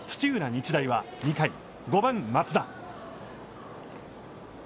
日大は２回、５番松田。